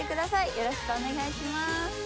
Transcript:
よろしくお願いします。